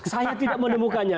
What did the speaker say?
saya tidak menemukannya